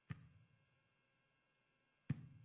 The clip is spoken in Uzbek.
Tanqidlar qiymatingizni o‘lchaydigan mezondir.